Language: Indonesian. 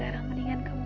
terima kasih ya bang